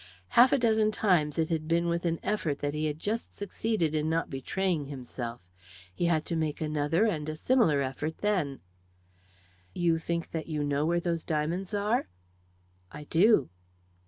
Half a dozen times it had been with an effort that he had just succeeded in not betraying himself; he had to make another and a similar effort then. "You think that you know where those diamonds are?" "I do!"